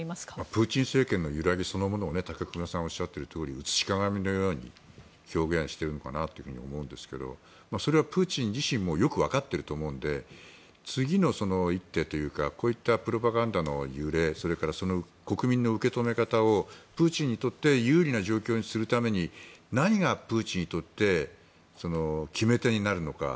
プーチン政権の揺らぎそのものを武隈さんおっしゃっているように屍のようにおっしゃっているのかなと思いますがそれはプーチン自身もよく分かっていると思うので次の一手というかこういったプロパガンダの揺れそれから国民の受け止め方をプーチンにとって有利な状況にするために何がプーチンにとって決め手になるのか。